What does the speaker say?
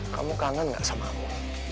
kamu kangen gak sama aku